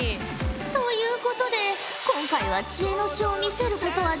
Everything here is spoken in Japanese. ということで今回は知恵の書を見せることはできん。